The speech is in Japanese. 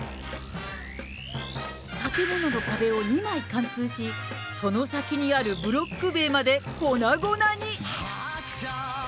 建物の壁を２枚貫通し、その先にあるブロック塀まで粉々に。